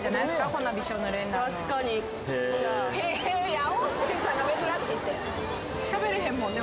こんなびしょ濡れになるの確かに「へー」いや音声さんが珍しいってしゃべれへんもんね